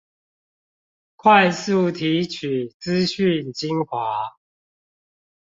快速提取資訊精華